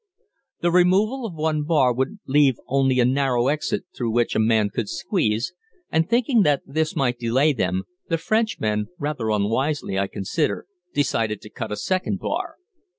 The removal of one bar would leave only a narrow exit through which a man could squeeze and, thinking that this might delay them, the Frenchmen, rather unwisely I consider, decided to cut a second bar.